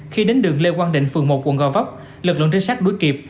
khi đến đường lê quang định phường một quận gò vấp lực lượng trinh sát đuổi kịp